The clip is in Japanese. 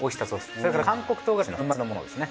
それから韓国唐辛子の粉末のものですね。